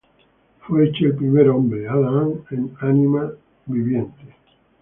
Fué hecho el primer hombre Adam en ánima viviente;